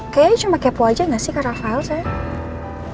kayaknya cuma kepo aja gak sih kak rafael sayang